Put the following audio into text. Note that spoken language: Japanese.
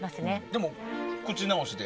でも、お口直しで。